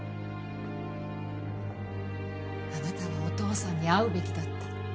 あなたはお父さんに会うべきだった。